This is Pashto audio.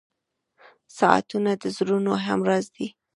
• ساعتونه د زړونو همراز دي.